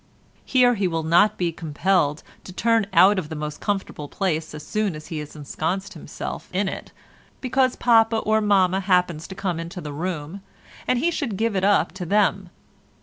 Here he will not be compelled to turn out of the most comfortable place as soon as he has ensconced himself in it because papa or mamma happens to come into the room, and he should give it up to them.